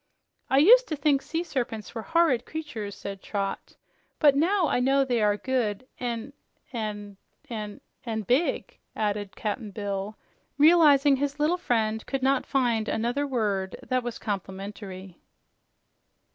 "I used to think sea serpents were horrid creatures," said Trot, "but now I know they are good and and and " "And big," added Cap'n Bill, realizing his little friend could not find another word that was complimentary.